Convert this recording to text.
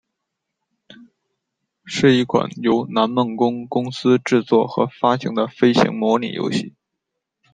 是一款由南梦宫公司制作和发行的飞行模拟游戏。